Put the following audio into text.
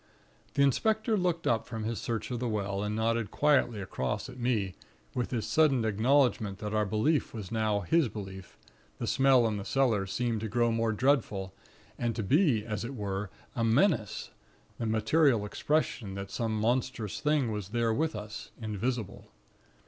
"The inspector looked up from his search of the well, and nodded quietly across at me, with his sudden acknowledgment that our belief was now his belief, the smell in the cellar seemed to grow more dreadful, and to be, as it were, a menace the material expression that some monstrous thing was there with us, invisible.